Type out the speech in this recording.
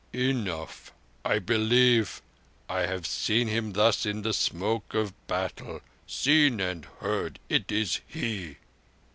Snff!'" "Enough. I believe. I have seen Him thus in the smoke of battles. Seen and heard. It is He!"